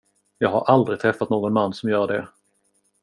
Jag har aldrig träffat någon man som gör det.